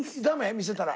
見せたら？